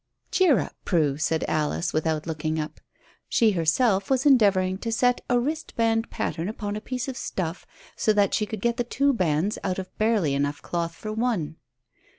"Cheer up, Prue," said Alice, without looking up. She herself was endeavouring to set a wristband pattern upon a piece of stuff so that she could get the two bands out of barely enough cloth for one.